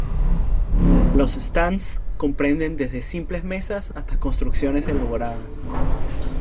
Los stands comprenden desde simples mesas hasta construcciones elaboradas.